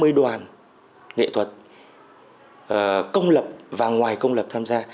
ba mươi đoàn nghệ thuật công lập và ngoài công lập tham gia